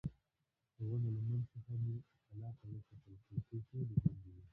د ونو له منځ څخه مې کلا ته وکتل، کړکۍ ټولې بندې وې.